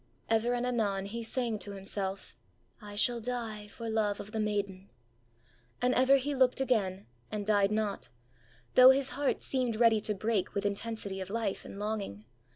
Ever and anon he sang to himself: ãI shall die for love of the maiden;ã and ever he looked again, and died not, though his heart seemed ready to break with intensity of life and longing.